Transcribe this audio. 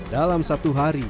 dalam satu hari